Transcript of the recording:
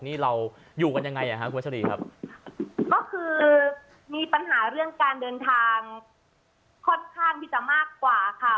นี่เราอยู่กันยังไงอ่ะฮะคุณวัชรีครับก็คือมีปัญหาเรื่องการเดินทางค่อนข้างที่จะมากกว่าค่ะ